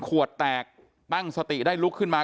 ขวดแตกตั้งสติได้ลุกขึ้นมา